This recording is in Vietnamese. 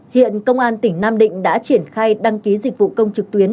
hiện công an tỉnh nam định đã triển khai đăng ký dịch vụ công trực tuyến